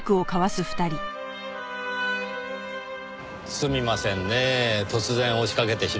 すみませんねぇ突然押しかけてしまって。